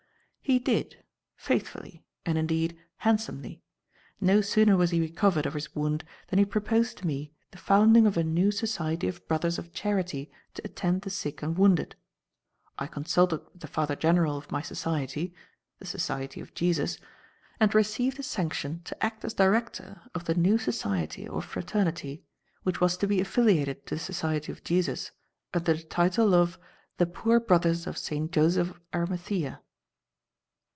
"He did; faithfully, and, indeed, handsomely. No sooner was he recovered of his wound than he proposed to me the founding of a new society of brothers of charity to attend the sick and wounded. I consulted with the Father General of my Society the Society of Jesus and received his sanction to act as director of the new society or fraternity which was to be affiliated to the Society of Jesus under the title of 'The Poor Brothers of Saint Joseph of Aramithea'."